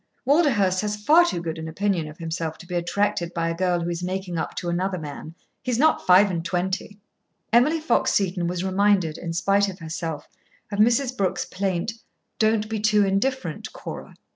Walderhurst has far too good an opinion of himself to be attracted by a girl who is making up to another man: he's not five and twenty." Emily Fox Seton was reminded, in spite of herself, of Mrs. Brooke's plaint: "Don't be too indifferent, Cora."